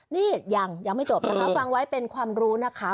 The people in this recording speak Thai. นี่ยังยังไม่จบนะคะฟังไว้เป็นความรู้นะคะ